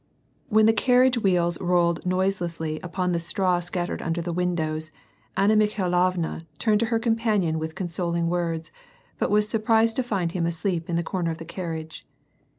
When the carriage wheels WAR AND PEACE. 89 rolled noiselessly upon the straw scattered under the windows, Anna Mikhailovna turned to her companion with consoling: words^but was surprised to find him asleep in the corner of the carnage.